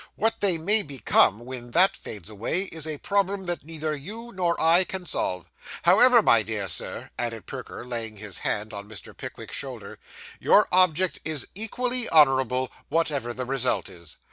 What they may become, when that fades away, is a problem that neither you nor I can solve. However, my dear Sir,' added Perker, laying his hand on Mr. Pickwick's shoulder, 'your object is equally honourable, whatever the result is.